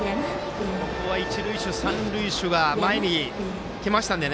一塁手、三塁手が前に来ましたので